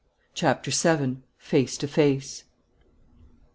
CHAPTER VII. FACE TO FACE.